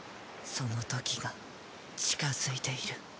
その時が近づいている。